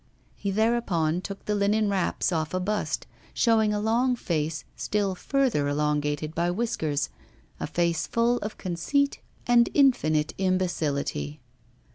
He thereupon took the linen wraps off a bust, showing a long face still further elongated by whiskers, a face full of conceit and infinite imbecility.